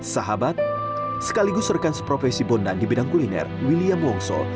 sahabat sekaligus rekan seprofesi bondan di bidang kuliner william wongso